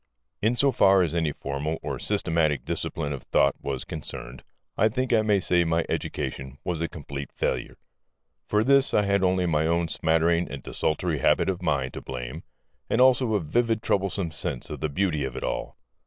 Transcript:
In so far as any formal or systematic discipline of thought was concerned, I think I may say my education was a complete failure. For this I had only my own smattering and desultory habit of mind to blame and also a vivid troublesome sense of the beauty of it all.